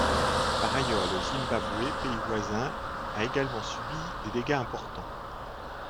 Par ailleurs, le Zimbabwe, pays voisin, a également subi des dégâts importants.